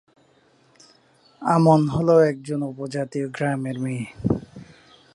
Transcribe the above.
আমন হলো একজন উপজাতীয় গ্রামের মেয়ে।